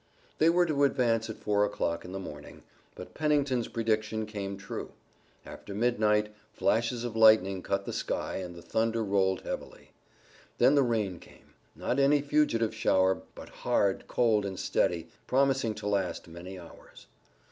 They were to advance at four o'clock in the morning, but Pennington's prediction came true. After midnight, flashes of lightning cut the sky and the thunder rolled heavily. Then the rain came, not any fugitive shower, but hard, cold and steady, promising to last many hours.